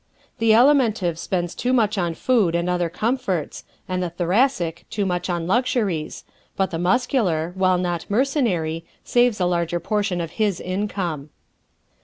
The Alimentive spends too much on food and other comforts and the Thoracic too much on luxuries, but the Muscular, while not mercenary, saves a larger portion of his income.